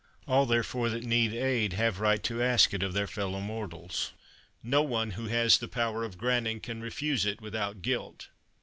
All, therefore, that need aid, have right to ask it of their fellow mortals; no one who has the power of granting can refuse it without guilt."